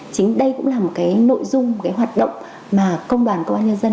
chính đây cũng là một cái nội dung cái hoạt động mà công đoàn công an nhân dân